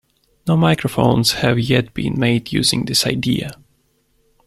No microphones have yet been made using this idea.